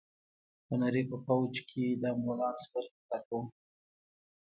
هنري په پوځ کې د امبولانس برخې کارکوونکی دی.